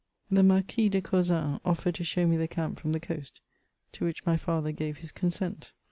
The Marquis de Causans offered to show me the camp from the coast, to winch my father gave his consent.